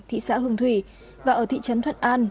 thị xã hương thủy và ở thị trấn thuận an